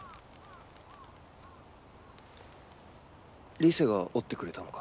リセが織ってくれたのか？